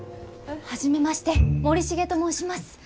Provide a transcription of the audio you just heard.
初めまして森重と申します。